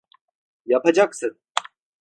Yapacaksın.